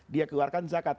dia keluarkan zakat